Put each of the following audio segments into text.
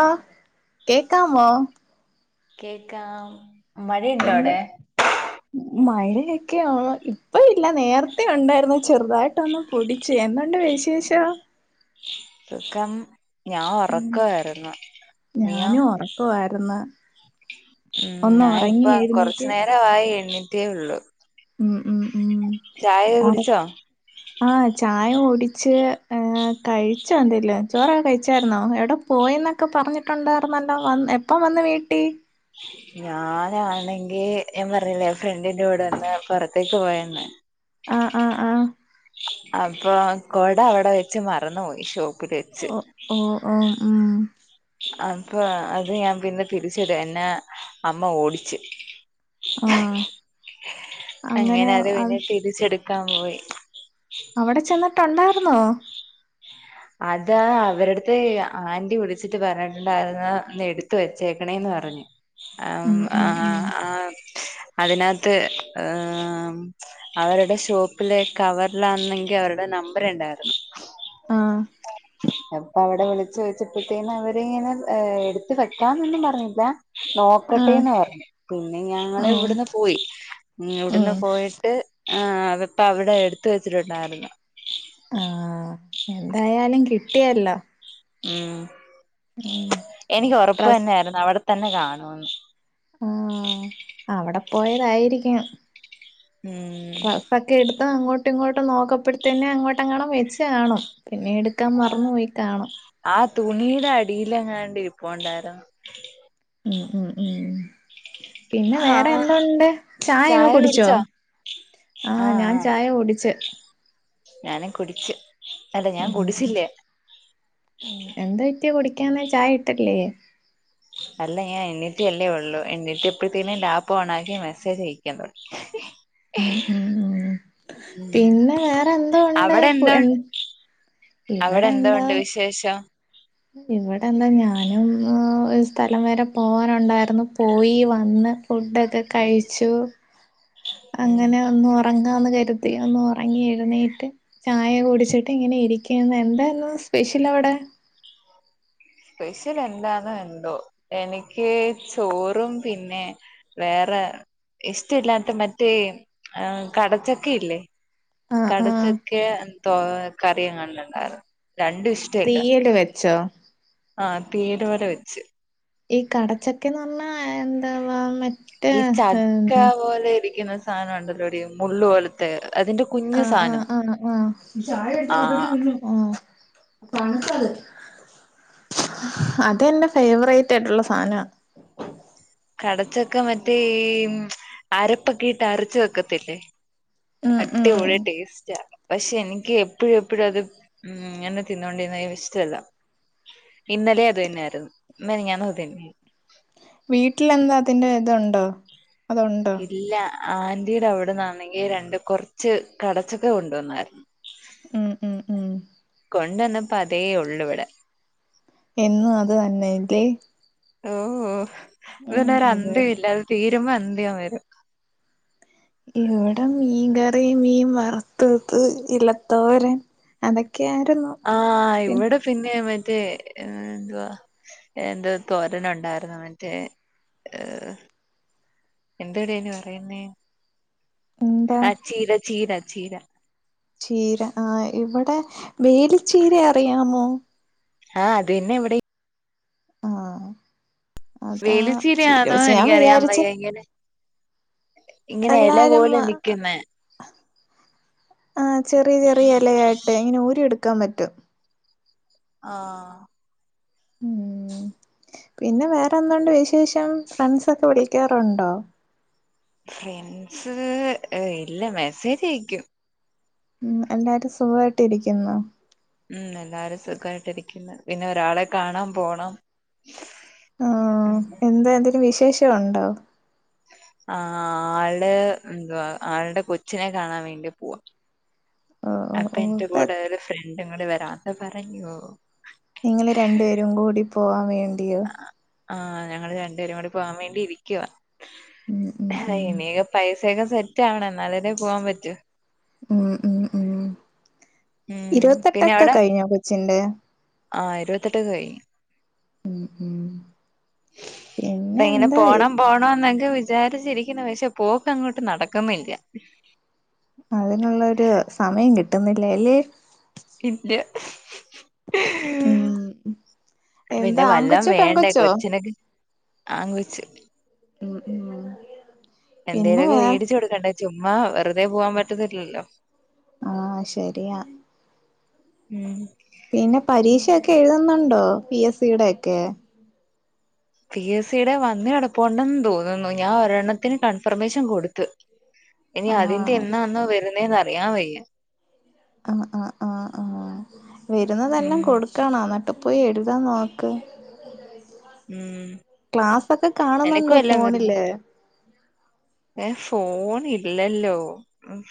ആഹ് കേകാമോ കേക്കാം മഴയുണ്ടോ എന്ത് അവിടെ ഉം മഴയൊക്കെയാ ഇപ്പ ഇല്ല നേരത്തെ ഉണ്ടായിരുന്നു ചെറുതായിട്ട് ട്ടൊന്ന് പൊടിച് എന്തുണ്ട്‌ വിശേഷം സുഖം ഞാ ഒറക്കവായിരുന്നു നീയോ? ഞാനും ഉറക്കമായിരുന്നു ഉം. ഒന്ന് ഞാഇപ്പ ഉറങ്ങി എഴുന്നേറ്റ് കൊറച്നേരവായി എണീറ്റെ ഒള്ളു ഉം ഉം ഉം ചായയൊക്കെ കുടിച്ചോ? ആഹ്ചായ കുടിച്ച് കഴിച്ചന്തേങ്കിലും ചോറൊക്കെ കഴിച്ചാര്ന്നോ എവിട പോയിന്നൊക്കെ പറഞ്ഞിട്ടുണ്ടാര്ന്നല്ലോ വന് എപ്പം വന്ന് വീട്ടിൽ ഞാനാണെങ്കിഞാൻ പറഞ്ഞീല്ലേ ഫ്രണ്ടിന്റെറെ കൂടെ ഒന്ന് പുറത്തേക്ക് പോയന്ന് ആഹ് ആഹ് ആഹ് അപ്പൊ കൊട അവ്ടെ വെച്ച് മറന്ന് പോയി. ഷോപ്പില് വെച്ച് ഓ ഓ ഓ ഉം അപ്പൊ അത് ഞാൻ പിന്നെ തിരിച്ചിട എന്നെ അമ്മ ഓടിച്ച് ആഹ് അങ്ങനെ അത് പിന്നെ തിരി ചെട്ക്കാംപോയി അവിടെ ചെന്ന്ട്ടൊണ്ടായിരുന്നോ? അത് അവരെട്ത്ത് ആന്റി വിളിച്ചിട്ട് പറഞ്ഞിട്ടുണ്ടായിരുന്നു ഒന്നെ എടു ത്ത് വച്ചേക്കണേന്ന് പറഞ്ഞു അം ഉം ഉം ആ ഉം ആ അതിനകത്ത് ഹ് അവരുടെ ഷോപ്പിലെ കവറിലാന്നെങ്കി അവരുടെ നമ്പർ ണ്ടായിരുന്ന് ആഹ് അപ്പൊ അവടെ വിളിച്ചു ചോച്ചപ്പത്തേനും അവരിങ്ങനെ എടുത്ത് വെക്കാന്നൊന്നും പറഞ്ഞില്ല ആഹ് നോക്കട്ടേന്ന് പർഞ്ഞു പിന്നെ ഓ ഞങ്ങളിവിടുന്ന് പോയി. ഉം. ഇവ്ട്ന്ന് പോയിട്ട് ആ അകത്തവിടെ എടുത്ത് വെച്ചിട്ടുണ്ടായിര്ന്ന് ആഹാ എന്തായാലും കിട്ടിയല്ലോ ഉം ഉം എനിക്കൊറപ്പ് ഡ്രസ് തന്നെആയിര്ന്ന് അവടെ തന്നെ കാണൂന്ന് ആഹാ അവടെ പോയതായിരികാം ഉം ഒക്കെ എടുത്ത് അങ്ങോട്ടും ഇങ്ങോട്ടും നോക്കപ്പോഴത്തന് അങ്ങോട്ടെങ്ങാനും വെച്ച് കാണും പിന്നെ എട് ക്കാൻ മറന്നോയി കാണും ആഹാ തുണിയ്ടെ അടിയിലങ്ങാണ്ട് ഇരിപ്പുണ്ടാര്ന്ന് ഉം ഉം ഉം പിന്നെ വേറെ ആഹ് ചായ എന്തുണ്ട്ചായക്കെകുടിച്ചോ കുടിച്ചോ ആഹ് ഞാൻ ചായ കുടിച്ച് ഞാനും കുടിച്ച്. അല്ല ഞാൻ ഉം ഉം കുടിച്ചില്ല. ഉം എന്ത് പറ്റി കുടിക്കാനായ് ചായ ഇട്ട്ലേ അല്ല ഞാൻ എണീറ്റ്ല്ലേ ഉള്ളൂ. എണീറ്റപ്പഴ്ത്തേന് ലാപ്പ് ഓൺ ആക്കി മെസ്സേജ് അയക്കാൻ തുടങ്ങി [unintelligible] ഉം ഉം ഉം. ഉം പിന്നെ വേറെ എന്തോണ്ട്. പു എന് അവടെ എന്തോ ഉണ്ട് വിശേഷം? ഇവടെന്താ ഞാനും ഓര് സ്ഥലം വരെ പോകാനുണ്ടായിര്ന്നു പോയി വന്ന്. ഫുഡൊക്കെ കഴിച്ചു. ഉം അങ്ങനെ ഒന്ന് ഉറങ്ങാന്ന് കരുത് തിന്നൊന്നു ഒന്ന് ഒറങ്ങി എഴുന്നേറ്റ് ചായ കുടിച്ചിട്ട് ഇങ്ങനെ ഇരിക്കുന്ന്. എന്തായിരുന്നു സ്പെഷ്യലവടെ? സ്പെഷ്യൽ എന്താന്നോ എന്തോ എനിക്ക് ചോറും പിന്നെ വേറെ ഇഷ്ടല്ലാത്തെ മറ്റേ കടച്ചക്കെയില്ലേ ആഹ് ആഹ് കടച്ചക്കെ തൊ കറിയങ്ങാണ്ടണ്ടായിരുന്നു രണ്ടും ഇഷ് തീയല് വെച്ചോ ആഹ് തീയ്യല് പോലെ വെച്ച് ഈ കടച്ചക്കയെന്ന് പറഞ്ഞാ എന്താവാ [unintelligible] ങ്ങ്. ഈ ചക്ക പോലെ ഇരിക്കുന്ന സാധനോണ്ടല്ലോടി മുള്ള് പോലത്തെ അതിന്റെ കുഞ്ഞു ആഹ് ആഹ് സാധനം ആഹ് ആഹ്. ചായെടുത്ത് [unintelligible] ആഹ് തിന്നും. തണുത്തത്. അതെന്റെ ഫേവറേറ്റായിട്ടുള്ള സാനാ കടച്ചക്ക മറ്റേ ഈ അരപ്പൊക്കെട്ട് അരച്ച് വെക്കത്തില്ലേ? ഉം ഉം അടിപൊളി ടേസ്റ്റാ പക്ഷെ എനിക്ക് എപ്പോഴും എപ്പോഴും അത് ഉം ഇങ്ങനെ തിന്നുകൊണ്ടിരുന്ന ഇഷ്ടല്ല ഇന്നലെ അത്തന്നായിരുന്നു മിഞ്ഞാന്നും അത് തന്നെ വീട്ടിലെന്താ അതിന്റെ ഇതോണ്ടോ? ഇല്ല, ആന്റിടെ അവിടെന്നാണെങ്കിൽ രണ്ട് കൊറച്ച് കടച്ചക്ക കൊണ്ടുവന്നാരുന്നു. ഉം ഉം ഉം കൊണ്ടന്നപ്പോ അതേ ഉള്ളുയിവിടെ. എന്നും അത് തന്നെ [unintelligible] ഓഹ് ഇതന്നോരു ഇവി അന്ത്യോഇല്ല അത് തീരുമ്പോ അന്ത്യം വരും. ഇവിടെ മീൻ കറി, മീൻ വറത്തത് ഇലത്തോരൻ അതൊക്കെയായിരുന്നു ആഹ് ഇവിടെ പിന്നെ മറ്റേ ഏ എന്തുവാ എന്താ തോരനുണ്ടായിരുന്നു മറ്റേ ഏഹ് എന്തടെ അയ്ന് പറയ്ന്നേ എന്താ ആഹ് ചീര ചീര ചീര ചീര ആഹ് ഇവിടെ വേലിച്ചീര അറിയാമോ ആഹ് അതന്നെ ഇവിടെം ആഹ് അതാ ചീര വേലിച്ചീരയാണോ വച്ചു ഞാൻ എനിക്കറിയാൻ വിചാരിച്ചു വയ്യ ഇങ്ങനെ ഇങ്ങനെ എല എല്ലാരും പോലെ മാ നിക്കുന്നെ ആഹ് ചെറിയ ചെറിയ എലയായിട്ട് ഇങ്ങനെ ഊരി എടുക്കാൻ പറ്റും ആഹ് ഉം. പിന്നെ വേറെന്തുണ്ട് വിശേഷം? ഫ്രണ്ട്സൊക്കെ വിളിക്കാറുണ്ടോ? ഫ്രണ്ട്സ് ഏഹ് ഇല്ല മെസ്സേജയിക്കും ഉം എല്ലാരും സുഖായ്ട്ടിരിക്കുന്നോ? ഉം എല്ലാരും സുഖമായിട്ടിരിക്കുന്നു. പിന്നെ ഒരാളെ കാണാൻ പോണം ആഹ് എന്താ എന്തേലും വിശേഷ ഉണ്ടോ ആഹ് ആള് എന്തുവാ ആൾടെ കൊച്ചിനെ കാണാൻ വേണ്ടി പോവാ. ഓഹ് ഓഹ് അപ്പോ ഓഹ് എന്റെ ഇപ്പ കൂടെ ഒരു ഫ്രണ്ട്ങ്ങട് വരാന്ന് പറഞ്ഞു. ഞങ്ങൾ രണ്ടുപേരും കൂടി പോവാൻ വേണ്ടിയും ആഹ് ഞങ്ങള് രണ്ടുപേരും കൂടി പോകാൻ വേണ്ടിരിക്കുവാ. ഉം ഉം ആഹ് ഉം ഇനിയൊക്കെ പൈസയൊക്കെ സെറ്റാവണം. എന്നാലല്ലേ പോവാൻ പറ്റൂ ഉം ഉം ഉം ഉം ഇരുപത്തെട്ടൊക്കെ കഴിഞ്ഞോ കൊച്ചിന്റെ? ആഹ് ഇരുപത്തേട്ടൊക്കായിഞ്ഞു ഉം ഉം പിന്നെ [unintelligible] എന്താ പോണം പോണോംന്നൊക്കെ വിചാരിച്ചിരിക്കുണു പക്ഷേ പോക്ക് അങ്ങോട്ട് നടക്കുന്നില്ല അതിനുള്ളൊരു സമയം കിട്ടുന്നില്ലല്ലിയോ ഇല്ല്യ ഉം [unintelligible] എന്താ പിന്നെ വല്ലോം ആങ്കൊച്ചോ വേണ്ടേ പെങ്കൊച്ചോ? കൊച്ചിനൊക്കെ ആൺകൊച്ച് ഉം ഉം പിന്നെ എന്തേലൊക്കെ വേറെ വേടിച്ചു കൊടുക്കണ്ടേ ചുമ്മാ വെറുതെ പോവാൻ പറ്റത്തില്ലല്ലോ ആഹ് ശരിയാ ഉം പിന്നെ പരീക്ഷയൊക്കെ എഴുതുന്നുണ്ടോ പി എസ് സിയുടെ ഒക്കെ പി എസ് സിടെ വന്ന് കിടപ്പുണ്ടെന്ന് തോന്നുന്നു ഞാൻ ഒരെണ്ണത്തിന് കൺഫർമേഷൻ കൊടുത്ത് [inaudible] ഇനി അതിന്റെ എന്നാണോ വരുന്നേന്ന് അറിയാൻ വയ്യ. ആഹ് ആഹ് ആഹ് ആഹ് ഉം വരുന്നതെല്ലാം കൊടു ക്കണം എന്നിട്ട് പോയി എഴുതാൻ നോക്ക്. ഉം ക്ലാസ്സൊക്കെ നിനക്കും കാണുന്നുണ്ടോ ഫോണില്. ഏഹ് ഫോൺ ഇല്ലല്ലോ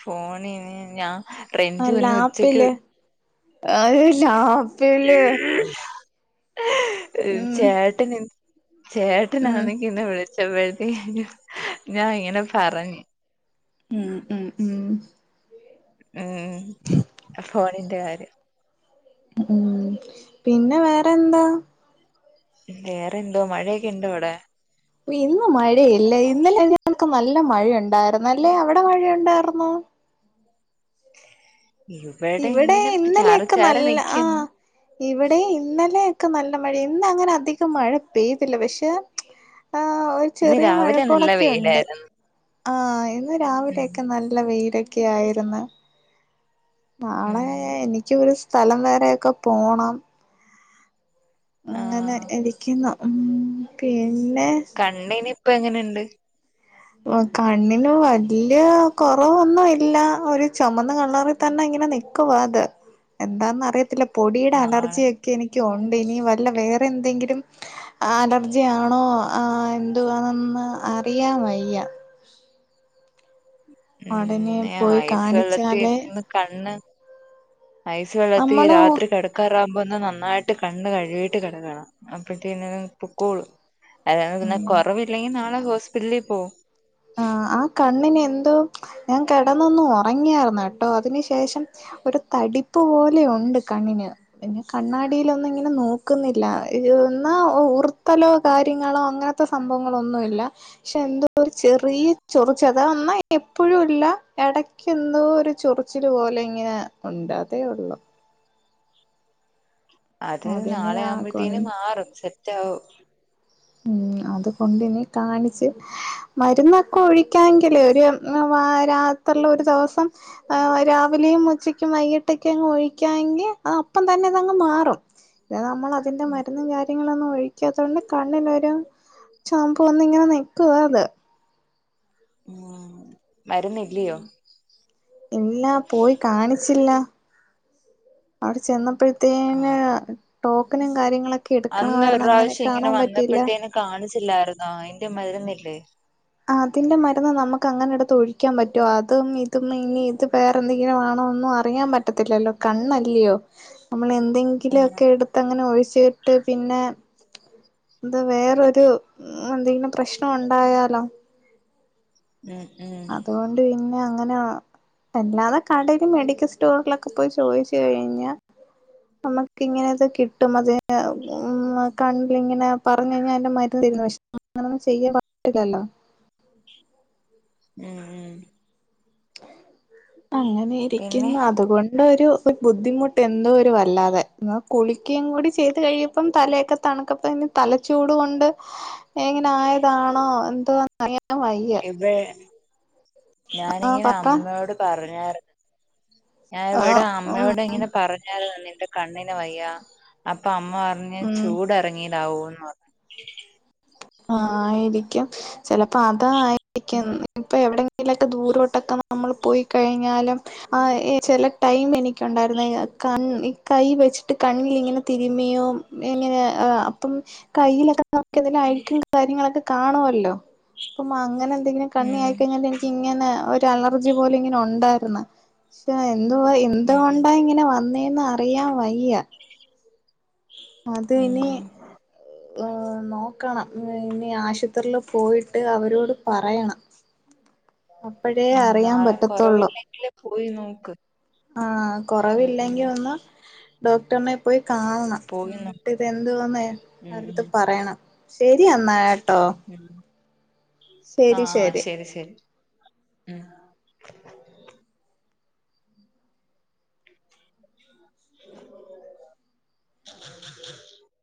ഫോണിന് ഞാൻ റെഞ്ചു ആഹ് ഇന്ന് ലാപ്പില് അയ് ഏഹ് ഉം ചേട്ടന് ഇ ഉം ചേട്ടനാന്നങ്കി ഇന്ന് വിളിച്ചപ്പഴത്തേ നും ഞാൻ ഇങ്ങനെ പറഞ്ഞ് ഉം ഉം ഉം ഉം ഫോണിന്റെ കാര്യം. ഉം പിന്നെ വേറെന്താ. വേറെ എന്തോ മഴേക്ക ണ്ടോ അവിടെ. ഇന്ന് മഴയില്ല ഇന്നലെ ഞൾക്ക് നല്ല മഴയുണ്ടായിരുന്നു അല്ലേ അവിടെ മഴയുണ്ടായിരുന്നോ. ഇവിടെ ഇങ്ങനെ ചാറി ഇന്നലെയൊക്കെ ചാറി നല്ല നിക്കുന്നു ആഹ് ഇവിടെയ് ഇന്നലെയൊക്കെ നല്ല മഴ ഇന്നങ്ങനെ അധികം മഴ പെയ്തില്ല പക്ഷെ ആഹ് ഇന്ന് ചെറിയ രാവിലെ നല്ല മഴക്കോളൊക്കെ ഉണ്ട് വെയിലായിരുന്നു ആഹ് ഇന്ന് ഉം രാവിലെയൊക്കെ നല്ല വെയില ക്കെയായിരുന്ന്. നാളെ ഉം എനിക്ക്‌ ഒരു സ്ഥലം വരേക്കെ പോണം. അങ്ങനെ ആഹ് ഇരിക്കുന്നു ഹും പിന്നെ കണ്ണിന് ഇപ്പ എങ്ങനെയുണ്ട്. ഓഹ് കണ്ണിന് വല്ലിയ കൊറവൊന്നും ഇല്ല ഒരു ചൊമന്ന കളറ് തന്നെ ഇങ്ങനെ നിൽക്കുവാ അത് എന്താന്ന് അറിയത്തില്ല പൊടിയുടെ നാളെ അലർജിയ ക്കെ എനിക്ക് ഒണ്ട് ഇനി വല്ല വേറെന്തെങ്കിലും--ഹ് ആ അലർജിയാണോ ആഹ് എന്തുവാണെന്ന് അറിയാൻ വയ്യ. ഉം ഉടനെ പിന്നെ പോയി ഐസ് വെള്ളത്തിൽ കാണിച്ചാലേ ഒന്ന് കണ്ണ് ഐ സ് വെള്ളത്തി നമ്മള് രാത്രി കെട ക്കാറാകുമ്പോ ഒന്ന് നന്നായിട്ട് കണ്ണ്. കഴുകിയിട്ട് കെടക്കണം അപ്പഴത്തക്ക്‌ പൊക്കോളും. അല്ലാതെ പിന്നെ ഉം കുറവില്ലെങ്കി നാളെ ഹോസ്പിറ്റലിൽ പോ. ആഹ് ആ കണ്ണിന് എന്തോ ഞാൻ കെടന്നൊന്നു ഉറങ്ങിയായിരുന്നു ട്ടോ അതിനു ശേഷം ഒരു തടിപ്പ് പോലെ ഉണ്ട് കണ്ണിന്. പിന്നെ കണ്ണാടിലൊന്നും ഇങ്ങനെ നോക്കുന്നില്ലാ എന്നാ ഉ ഉർത്തലോ കാര്യങ്ങളോ അങ്ങനെ ത്തെ സംഭവങ്ങളൊന്നും ഇല്ല പക്ഷെ എന്തോര് ചെറിയ ചൊറിച്ച് അതാ എന്നാ എപ്പോഴും ഇല്ല എടക്കെന്തോ ഒരു ചൊറിച്ചില് പോലെ ഇങ്ങനെ ഉണ്ട് അതേ ഒള്ളൂ അത് അതിനി നാളെ ആ കൊണ്ട് ആവുമ്പോഴ്ത്തേന് മാറും സെറ്റ് ആകും ഉം അതുകൊണ്ടിനി കാണിച്ച് മരുന്നൊക്കെ ഒഴിക്കാങ്കില് ഒരു വ രാത്രിൽ ഒരു ദിവസം ആഹ് രാവിലെയും ഉച്ചക്കും വൈകിട്ടൊക്കെ അങ് ഒഴിക്കാങ്കി അത് അപ്പം തന്നെ അതങ്ങ് മാറും. പിന്നെ നമ്മൾ അതിന്റെ മരുന്നും കാര്യങ്ങളൊന്നും ഒഴിക്കാത്തോണ്ട് കണ്ണിനൊരു ചൊവ്വപ്പ് വന്ന് ഇങ്ങനെ നിൽക്കുവാ അത്. മരുന്നില്ലിയോ. ഇല്ല പോയി കാണിച്ചില്ല. അവിടെ ചെന്നപ്പൊഴത്തേന്ന് ആഹ് ടോക്കനും കാര്യങ്ങളൊക്കെ അന്ന് ഒരു എടുക്കണമായിരുന്നു അങ്ങനെ പ്രാവശ്യം ഇങ്ങനെ കാണാൻ പറ്റിയില്ല. വന്നപ്പോഴത്തേന് കാണിച്ചില്ലായിരുന്നോ അയ്ന്റെ മരുന്നില്ലേ അതിന്റെ മരുന്ന് നമുക്ക് അങ്ങനെ എടുത്ത് ഒഴിക്കാൻ പറ്റോ അതും ഇതും ഇനി ഇത് വേറെ എന്തെങ്കിലും ആണോന്നും അ റിയാൻ പറ്റത്തില്ലല്ലോ കണ്ണെല്ലയോ നമ്മൾ എന്തെ ആഹ് ങ്കിലൊക്കെ എടുത്തങ്ങനെ ഒഴിച്ചിട്ട് പിന്നെ ഇത് വേറൊരു എന്തെങ്കിലും പ്രശ്നം ഉണ്ടായാലോ ഉം ഉം അതുകൊണ്ട് പിന്നെ അങ്ങനെ അല്ലാതെ കടയിൽ മെഡിക്കൽ സ്റ്റോറിലൊക്കെ പോയി ചോദിച്ചു കഴിഞ്ഞൽ നമുക്ക് ഇങ്ങനെത് കിട്ടും അത ഉം കണ്ണിൽ ഇങ്ങനെ പറഞ്ഞ കഴിഞ്ഞാൽ അയ്ന്റെ മരുന്ന് തരുന്നു പ അങ്ങനെന്നും ചെയ്യാ പറ്റത്തില്ലല്ലോ ഉം ഉം അങ്ങനെ പിന്നെ ഇരിക്കുന്ന അതുകൊണ്ടൊരു ബുദ്ധിമുട്ട് എന്തോ ഒരു വല്ലാതെ കുളിക്കുകയും കൂടി ചെയ്ത് കഴിയുമ്പം തലയൊക്കെ തണുക്കപ്പ ഇന് തലച്ചൂടു കൊണ്ട് എങ്ങനെ ആയതാണോ എന്തോ അറിയാൻ വയ്യ വേ ആ ഞാനിങ്ങനെ പറ അമ്മയോട് പറഞ്ഞായിരുന്നു ഞൻ ആ ഇവിടെ ഉം അമ്മയോട് ഇങ്ങനെ പറഞ്ഞായിരുന്നു നിന്റെ കണ്ണിന് വയ്യ അപ്പൊ അമ്മ പറ ഞ്ഞ് ഉം ചൂട് ഇറങ്ങിയതാവൂന്ന് പറഞ്ഞ് ആയിരിക്കും ചിലപ്പോ അതായിരിക്കും ഇപ്പ എവിടെ അയിലൊക്കെ ദൂരോട്ടൊക്കെ നമ്മൾ പോയി കഴിഞ്ഞാലും ആ ചില ടൈം എനിക്കുണ്ടായിരുന്ന ക കൈ വെച്ചിട്ട് കണ്ണിൽ ഇങ്ങനെ തിരുമിയോ എങ്ങനെ അപ്പം കയ്യിലൊക്കെ എതിലും അഴിക്കും കാര്യങ്ങളൊക്കെ കാണുമല്ലോ അപ്പം അങ്ങനെ എന്തെങ്കിലും കണ്ണി ഉം ആയിക്കഴിഞ്ഞ എ ഇങ്ങനെ ഒരു അലർജി പോലെ ഇങ്ങനെ ഉണ്ടായിരുന്നു പക്ഷെ എന്തോ ഉം എന്തുകൊണ്ടാ ഇങ്ങനെ വന്നേന്ന് അറിയാൻ വയ്യ അത ഉം ഇനി നോക്കണം ഇനി ആശുപത്രിൽ പോയിട്ട് അവരോട് പറയണം അപ്പോഴേ ഉം അറിയാൻ നാളെ പറ്റത്തുള്ളൂ കൊറവില്ലെങ്കില് പോയി നോക്ക് ആഹ് ഉം ഉം കൊറവില്ലെങ്കിൽ ഒന്ന് ഡോക്ടറിനെ പോയി കാണണം പോയി നോക്ക് കണ്ടിട്ട് ഇതെന്തോന്ന ഉം അവരടുത്ത് ഉം പറയണം ശരി എന്ന ആ ആ ശരി ശരി ഉം